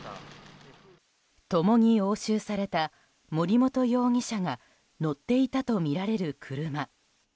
共に押収された森本容疑者が乗っていたとみられる車。